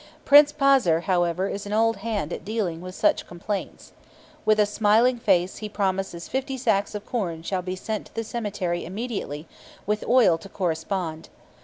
Prince Paser, however, is an old hand at dealing with such complaints. With a smiling face he promises that fifty sacks of corn shall be sent to the cemetery immediately, with oil to correspond.